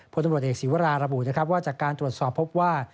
พอเอกศีวราระบุว่าจากการตรวจสอบพบว่า